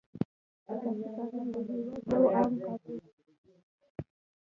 اساسي قانون د هېواد یو عام قانون دی.